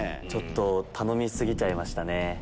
ちょっと頼み過ぎちゃいましたね。